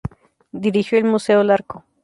Dirigió el Museo Larco.